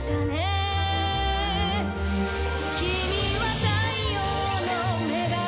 「君は太陽の女神